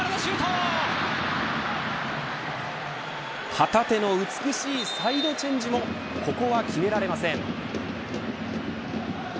旗手の美しいサイドチェンジもここは決められません。